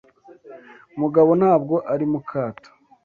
Mugabo ntabwo ari mukato